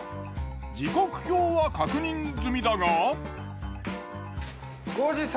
時刻表は確認済みだが。